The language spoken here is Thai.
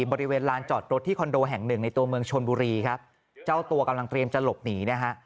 บริเวณลานจอดรถที่คอนโดแห่งหนึ่งในตัวเมืองชนบุรีครับเจ้าตัวกำลังเตรียมจะหลบหนีนะฮะ